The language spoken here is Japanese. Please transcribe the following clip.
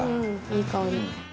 いい香り。